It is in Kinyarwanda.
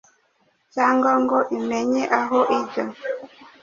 cyangwa ngo imenye aho ijya